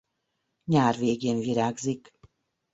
Nyár végén virágzik.